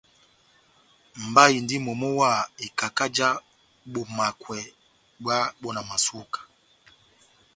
Mba indi momo wa ikaka já bomakwɛ bwá bonamasuka.